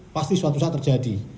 pasti suatu saat terjadi